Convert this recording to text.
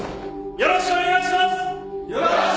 よろしくお願いします！